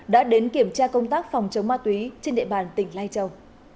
đã đến kiểm tra công tác phòng chống ma túy trên địa bàn tỉnh lai châu